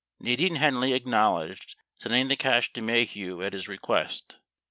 52 Nadine Henley acknowledged sending the cash to Maheu at his request.